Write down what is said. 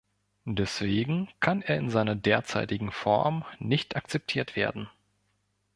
Deswegen kann er in seiner derzeitigen Form nicht akzeptiert werden.